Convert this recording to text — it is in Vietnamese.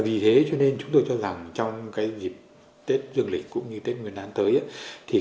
vì thế cho nên chúng tôi cho rằng trong dịp tết dương lịch cũng như tết nguyên đán tới